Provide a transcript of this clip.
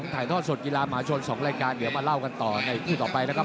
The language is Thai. ถ่ายทอดสดกีฬาหมาชน๒รายการเดี๋ยวมาเล่ากันต่อในคู่ต่อไปนะครับ